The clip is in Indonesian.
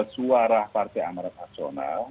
suara partai amarat nasional